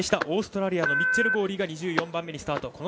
オーストリアのミッチェル・ゴーリーが２４番目にスタート。